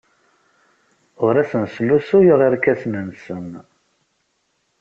Ur asen-slusuyeɣ irkasen-nsen.